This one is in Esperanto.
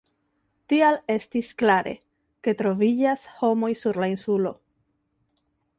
Tial estis klare, ke troviĝas homoj sur la insulo.